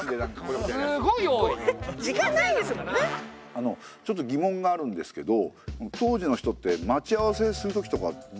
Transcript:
あのうちょっと疑問があるんですけど当時の人って待ち合わせするときとかどうしたんですかね？